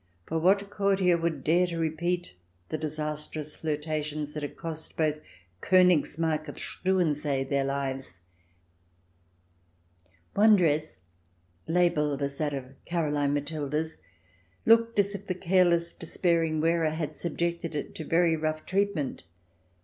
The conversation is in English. For what courtier would dare to repeat the disastrous flirtations that had cost both KOnigsmarck and Struensee their lives ? One dress, labelled as that of Caroline Matilda's, looked as if the careless, despairing wearer had subjected it to very rough treatment.